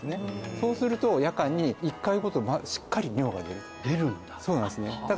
そうすると夜間に１回ごとしっかり尿が出ると出るんだ？